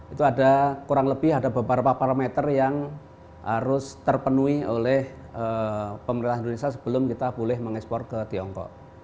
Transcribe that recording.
itu ada kurang lebih ada beberapa parameter yang harus terpenuhi oleh pemerintah indonesia sebelum kita boleh mengekspor ke tiongkok